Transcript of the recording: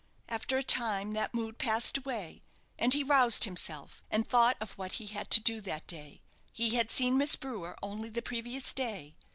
After a time that mood passed away, and he roused himself, and thought of what he had to do that day. He had seen Miss Brewer only the previous day.